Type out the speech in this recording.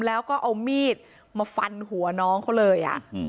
แล้วก็เอามีดมาฟันหัวน้องเขาเลย